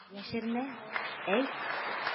Йәшермә, әйт!